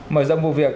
mở rộng vụ việc